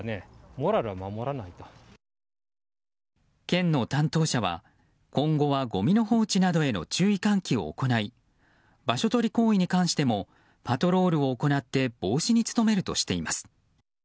県の担当者は今後はごみの放置などへの注意喚起を行い場所取り行為に関してもパトロールを行って防止に努めるとしています。